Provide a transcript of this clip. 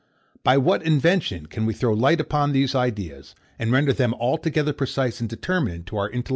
By what invention can we throw light upon these ideas, and render them altogether precise and determinate to our intellectual view?